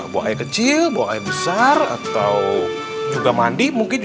bawa pipis aja dulu